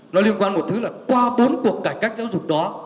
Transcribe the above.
nó liên quan một thứ là qua bốn cuộc cải cách giáo dục đó